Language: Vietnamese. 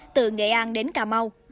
từ nghệ an đến cà mau